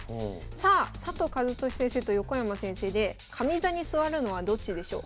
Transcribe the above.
さあ佐藤和俊先生と横山先生で上座に座るのはどっちでしょう？